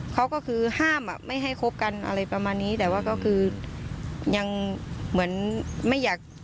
เขาก็คือห้ามอ่ะไม่ให้คบกันอะไรประมาณนี้แต่ว่าก็คือยังเหมือนไม่อยาก